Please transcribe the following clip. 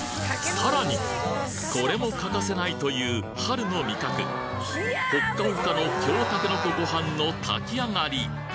さらにこれも欠かせないという春の味覚ほっかほかの京たけのこ御飯の炊き上がり！